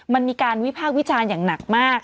มันมีการวิพากษ์วิจารณ์อย่างหนักมาก